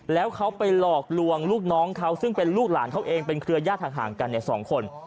แล้วเขาไปหลอกลวงลูกน้องเขาซึ่งเป็นลูกหลานเขาเองเป็นเครือญาติห่างกันเนี่ยสองคน